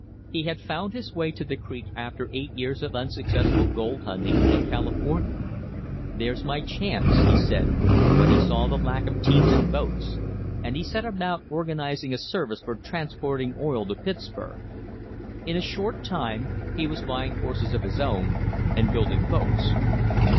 He had found his way to the creek after eight years of unsuccessful gold hunting in California. "There's my chance," he said, THE BIRTH OF AN INDUSTRY when he saw the lack of teams and boats, and he set about organising a service for transporting oil to Pittsburg. In a short time he was buying horses of his own and building boats.